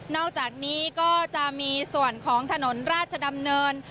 อกจากนี้ก็จะมีส่วนของถนนราชดำเนิน